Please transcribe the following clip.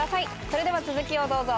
それでは続きをどうぞ。